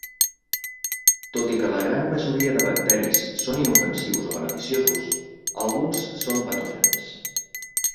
Tot i que la gran majoria de bacteris són inofensius o beneficiosos, alguns són patògens.